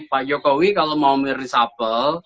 pak jokowi kalau mau mere resubble